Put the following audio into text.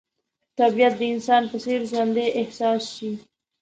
طبیعت د انسان په څېر ژوندی احساس شي.